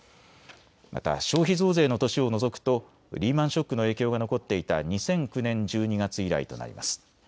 また消費増税の年を除くとリーマンショックの影響が残っていた２００９年１２月以来となります。